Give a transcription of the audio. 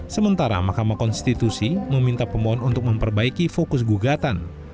sementara mahkamah konstitusi meminta pemohon untuk memperbaiki fokus gugatan